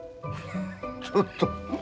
ちょっと。